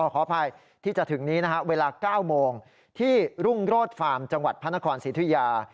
ขออภัยที่จะถึงนี้นะฮะเวลา๙โมงที่รุ่งโรศฟาร์มจังหวัดพระนครศรีธุยา